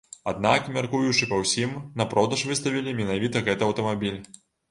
Аднак, мяркуючы па ўсім, на продаж выставілі менавіта гэты аўтамабіль.